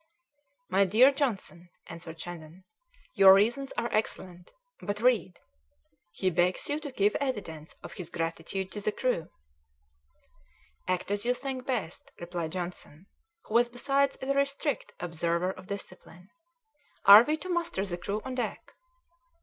"My dear Johnson," answered Shandon, "your reasons are excellent, but read 'he begs you to give evidence of his gratitude to the crew.'" "Act as you think best," replied Johnson, who was besides a very strict observer of discipline. "Are we to muster the crew on deck?"